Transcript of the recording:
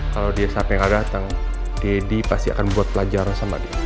kalau dia sampe gak dateng daddy pasti akan buat pelajaran sama dia